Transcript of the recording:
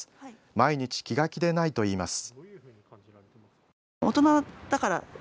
毎日、気が気でないといいます。